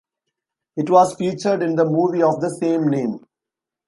It was featured in the movie of the same name.